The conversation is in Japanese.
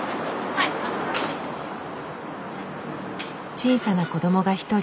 小さな子供が一人。